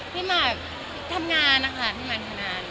ที่มาทำงานครับ